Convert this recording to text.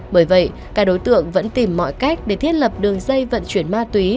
bởi vậy các đối tượng vẫn tìm mọi cách để thiết lập đường dây vận chuyển ma túy